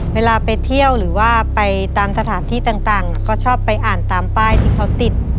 เวลาไปเที่ยวหรือว่าไปตามสถานที่ต่างเขาชอบไปอ่านตามป้ายที่เขาติด